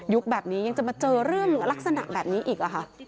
แบบนี้ยังจะมาเจอเรื่องลักษณะแบบนี้อีกค่ะ